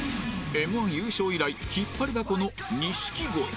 Ｍ−１ 優勝以来引っ張りだこの錦鯉